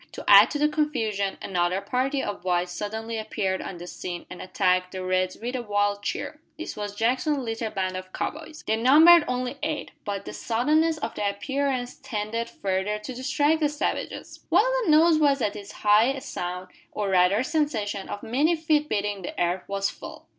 To add to the confusion, another party of whites suddenly appeared on the scene and attacked the "Reds" with a wild cheer. This was Jackson's little band of cow boys. They numbered only eight; but the suddenness of their appearance tended further to distract the savages. While the noise was at its height a sound, or rather sensation, of many feet beating the earth was felt.